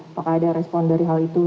apakah ada respon dari hal itu